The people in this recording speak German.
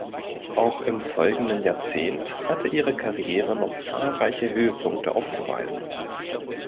Auch im folgenden Jahrzehnt hatte ihre Karriere noch zahlreiche Höhepunkte aufzuweisen.